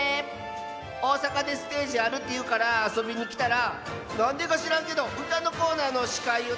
おおさかでステージあるっていうからあそびにきたらなんでかしらんけどうたのコーナーのしかいをたのまれてん。